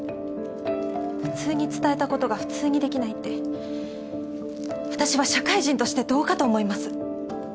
普通に伝えたことが普通にできないってあたしは社会人としてどうかと思います。